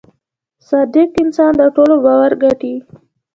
• صادق انسان د ټولو باور ګټي.